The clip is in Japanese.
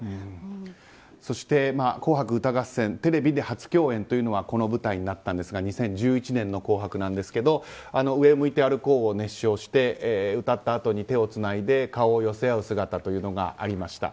そして、「紅白歌合戦」テレビで初共演というのはこの舞台になったんですが２０１１年の「紅白」ですが「上を向いて歩こう」を熱唱して歌ったあとに手をつないで顔を寄せ合う姿というのがありました。